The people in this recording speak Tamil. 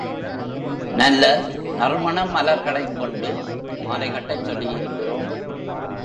நல்ல நறுமண மலர்களைக் கொண்டு மாலை கட்டச் சொல்லியிருக்கிறோம்.